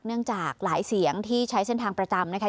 จากหลายเสียงที่ใช้เส้นทางประจำนะคะ